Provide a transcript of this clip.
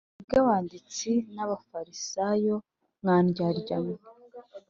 mwebwe banditsi n abafarisayo mwa ndyarya mwe